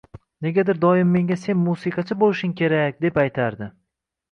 Negadir doim menga “Sen musiqachi bo’lishing kerak”, deb aytardi.